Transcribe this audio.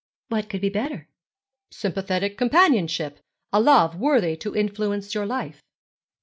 'What could be better?' 'Sympathetic companionship a love worthy to influence your life.'